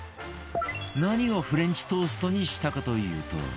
何をフレンチトーストにしたかというと